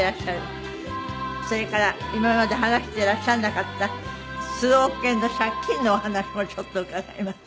それから今まで話していらっしゃらなかった数億円の借金のお話もちょっと伺います。